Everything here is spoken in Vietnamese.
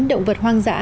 động vật hoang dã